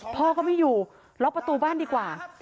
พ่อก็ไม่อยู่ล็อกประตูบ้านดีกว่า